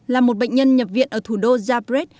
là một bệnh nhân nhập viện ở thủ đô jabrez